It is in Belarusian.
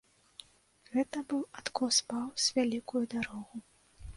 Гэта быў адкос паўз вялікую дарогу.